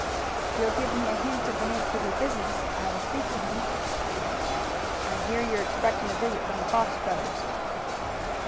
"If you will give me a hint of the nature of your business I will speak to him." "I hear you're expectin' a visit from the Fox brothers."